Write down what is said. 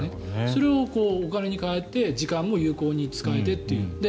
それをお金に換えて時間も有効に使えてという。